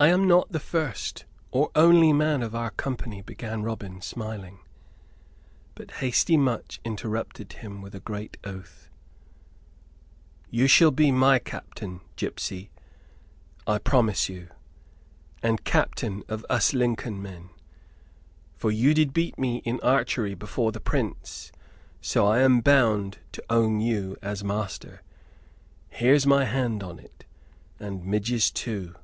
"I am not the first or only man of our company," began Robin, smiling; but hasty Much interrupted him with a great oath. "You shall be my captain, gipsy, I promise you! And captain of us Lincoln men; for you did beat me in archery before the Prince, so I am bound to own you as master. Here's my hand on it; and Midge's too.